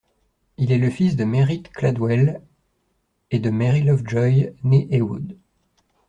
Il est le fils de Merritt Cladwell et de Mary Lovejoy née Heywood.